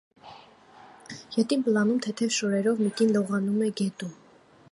Ետին պլանում թեթև շորերով մի կին լողանում է գետում։